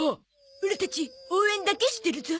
オラたち応援だけしてるゾ。